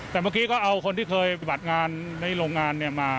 แต่เมื่อกี้ก็เอาคนที่เคยปฏิบัติงานในโรงงานมา